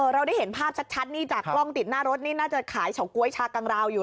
เราได้เห็นภาพชัดนี่จากกล้องติดหน้ารถนี่น่าจะขายเฉาก๊วยชากังราวอยู่